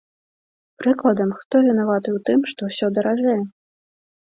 Прыкладам, хто вінаваты ў тым, што ўсё даражэе?